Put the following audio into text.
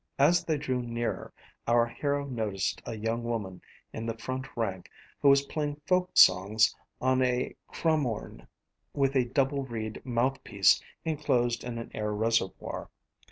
] As they drew nearer, our hero noticed a young woman in the front rank who was playing folk songs on a cromorne with a double reed mouth piece enclosed in an air reservoir.